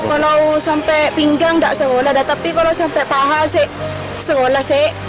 kalau sampai pinggang tidak sekolah tapi kalau sampai paha sih sekolah sih